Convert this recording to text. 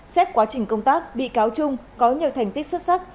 xét quá trình công tác bị cáo trung có nhiều thành tích xuất sắc